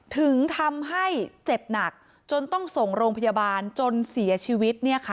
ถึงทำให้เจ็บหนักจนต้องส่งโรงพยาบาลจนเสียชีวิต